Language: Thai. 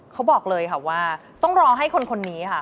เขาบอกเลยค่ะว่าต้องรอให้คนนี้ค่ะ